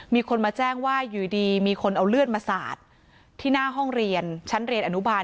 มีคนมาแจ้งว่าอยู่ดีมีคนเอาเลือดมาสาดที่หน้าห้องเรียนชั้นเรียนอนุบาล